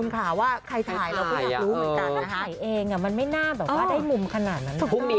ใครถ่ายเองอ่ะมันไม่น่าแบบได้มุมขนาดนั้นน่ะ